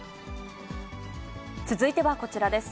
続いてはこちらです。